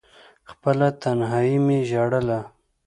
خپله تنهايي مې ژړله…